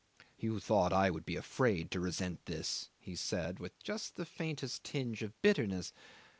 "You thought I would be afraid to resent this," he said, with just a faint tinge of bitterness.